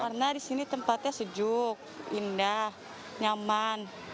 karena di sini tempatnya sejuk indah nyaman